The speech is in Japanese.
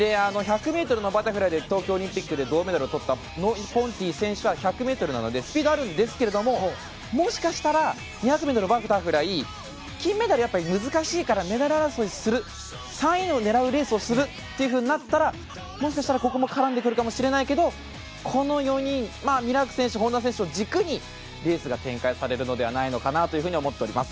１００ｍのバタフライで東京オリンピックで銅メダルをとった、ノイ・ポンティ選手は１００ｍなのでスピードあるんですがもしかしたら２００ｍバタフライは金メダル難しいからメダル争いする、３位を狙うレースをするとなったらもしかしたら絡んでくるかもしれないけどこの４人、ミラーク選手本多選手を軸にレースが展開されるのではないかと思っております。